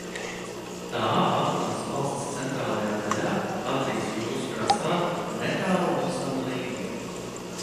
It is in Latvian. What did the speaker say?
Tā atrodas valsts centrālajā daļā Adrijas jūras krastā, netālu no Sanmarīno.